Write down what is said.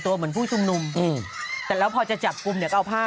เหมือนผู้ชุมนุมอืมแต่แล้วพอจะจับกลุ่มเนี่ยก็เอาผ้า